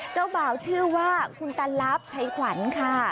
เจ้าบ่าวชื่อว่าคุณตาลับชัยขวัญค่ะ